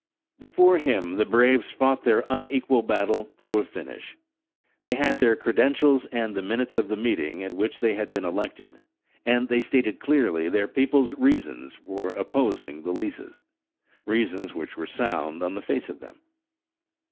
Before him the braves fought their unequal battle to a finish. They had their credentials and the minutes of the meeting at which they had been elected, and they stated clearly their people's reasons for opposing the leases reasons which were sound on the face of them.